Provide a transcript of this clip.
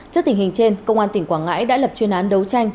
trước tình hình trên công an tỉnh quảng ngãi đã lập chuyên án đấu tranh